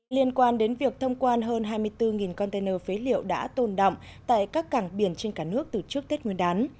liên quan đến việc thông quan hơn hai mươi bốn container phế liệu đã tồn động tại các cảng biển trên cả nước từ trước tết nguyên đán